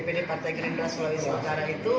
dpw sulawesi utara dan pkb gerindra sulawesi utara itu